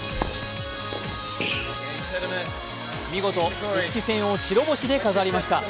見事、復帰戦を白星で飾りました。